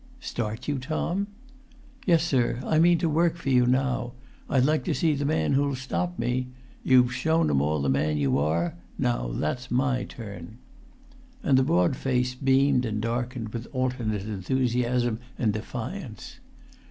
"Start you, Tom?" "Yes, sir, I mean to work for you now. I'd like to see the man who'll stop me! You've shown 'em all the man you are; now that's my turn." And the broad face beamed and darkened with alternate enthusiasm and defiance.